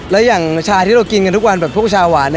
แล้วอย่างชาที่เรากินกันทุกวันแบบพวกชาหวาน